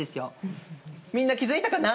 みんな気付いたかな？